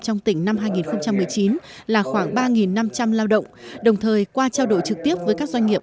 trong tỉnh năm hai nghìn một mươi chín là khoảng ba năm trăm linh lao động đồng thời qua trao đổi trực tiếp với các doanh nghiệp